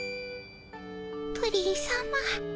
プリンさま。